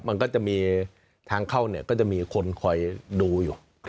มันก็จะมีทางเข้าเนี่ยก็จะมีคนคอยดูอยู่